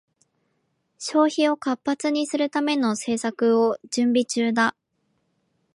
消費を活発にするための施策を準備中だ